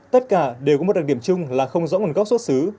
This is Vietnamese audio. tất cả đều có một đặc điểm chung là không rõ nguồn gốc xuất xứ